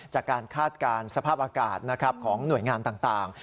จากการคาดการณ์สภาพอากาศนะครับของหน่วยงานต่าง